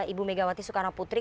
ibu megawati soekarno putri